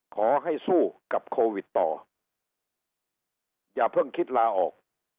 ขอให้สู้กับโควิดต่ออย่าเพิ่งคิดลาออก